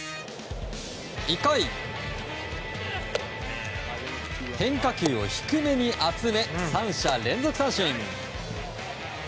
１回、変化球を低めに集め３者連続三振。